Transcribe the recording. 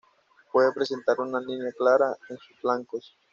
Puede presentar una línea clara en sus flancos.